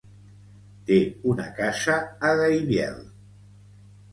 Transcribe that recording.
Té una casa a Gaibiel.